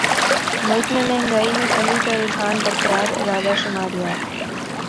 ملک میں مہنگائی میں کمی کا رجحان برقرار ادارہ شماریات